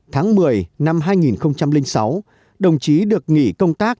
tháng một mươi năm hai nghìn sáu đồng chí được nghỉ công tác